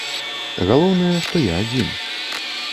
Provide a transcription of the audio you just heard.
Галоўнае, што я адзін.